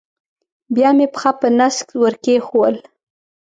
بیا مې پښه په نس کې ور کېښوول.